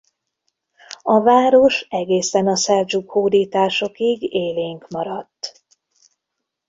A város egészen a szeldzsuk hódításokig élénk maradt.